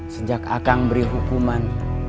sejak akang beri hukuman